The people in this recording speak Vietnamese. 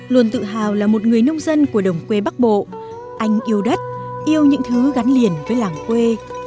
luôn tự hào là một người nông dân của đồng quê bắc bộ anh yêu đất yêu những thứ gắn liền với làng quê